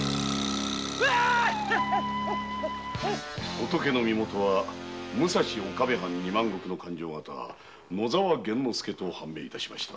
仏の身元は岡部藩の勘定方野沢源之助と判明致しました。